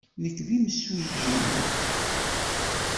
Nekk d imsujji-nnek.